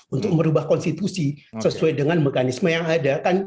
untuk merubah konstitusi sesuai dengan mekanisme yang ada